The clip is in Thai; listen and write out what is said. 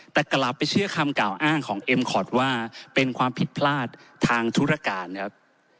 แต่กลับไปเชื่อคำกล่าวอ้างของเอ็มคอร์ดว่าเป็นความผิดพลาดทางธุรการครับ